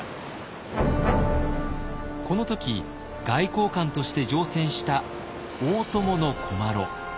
この時外交官として乗船した大伴古麻呂。